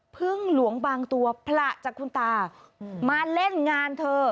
พึ่งหลวงบางตัวผละจากคุณตามาเล่นงานเธอ